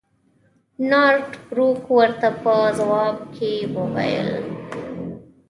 نارت بروک ورته په ځواب کې وویل.